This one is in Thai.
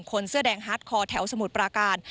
คนเสื้อแดงฮาร์ดคอแถวสมุทรปราการ